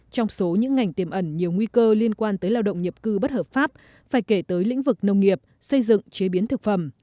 trong số những ngành tiềm ẩn nhiều nguy cơ liên quan tới lao động nhập cư bất hợp pháp phải kể tới lĩnh vực nông nghiệp xây dựng chế biến thực phẩm